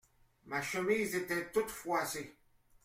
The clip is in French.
Ma chemise était toute froissée.